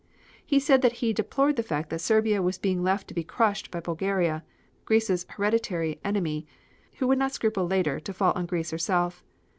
He said that he deplored the fact that Serbia was being left to be crushed by Bulgaria, Greece's hereditary enemy, who would not scruple later to fall on Greece herself.